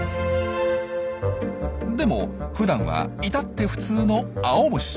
でもふだんは至って普通の青虫。